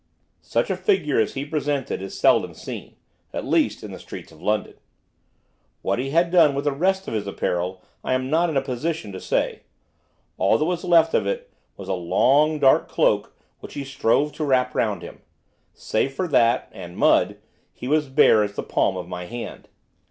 Such a figure as he presented is seldom seen, at least, in the streets of London. What he had done with the rest of his apparel I am not in a position to say, all that was left of it was a long, dark cloak which he strove to wrap round him. Save for that, and mud! he was bare as the palm of my hand.